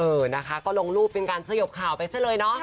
เออนะคะก็ลงรูปเป็นการสยบข่าวไปซะเลยเนาะ